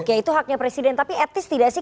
ya itu haknya presiden tapi etis tidak sih